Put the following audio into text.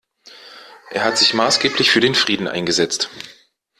Er hat sich maßgeblich für den Frieden eingesetzt.